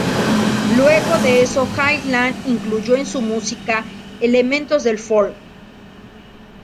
Luego de eso, Hyland incluyó en su música elementos del folk.